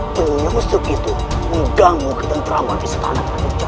penyusup itu mengganggu tenteraman istana penjajaran